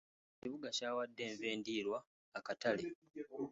Ekibuga kyawadde enva endiirwa akatale.